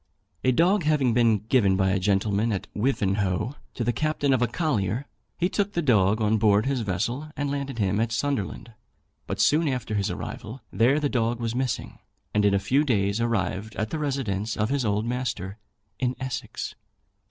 A dog having been given by a gentleman at Wivenhoe to the captain of a collier, he took the dog on board his vessel, and landed him at Sunderland; but soon after his arrival there the dog was missing, and in a very few days arrived at the residence of his old master, in Essex.